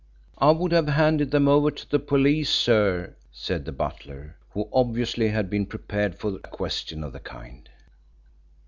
"I would have handed them over to the police, sir," said the butler, who obviously had been prepared for a question of the kind.